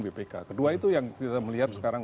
bpk kedua itu yang kita melihat sekarang